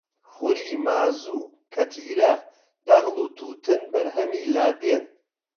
خوری، مازوو، کەتیرە، دەغڵ و تووتن بەرهەمی لادێن